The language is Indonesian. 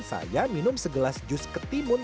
saya minum segelas jus ketimun